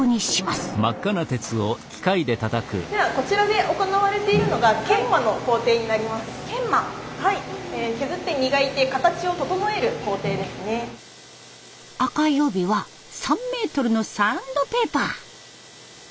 ではこちらで行われているのが赤い帯は３メートルのサンドペーパー。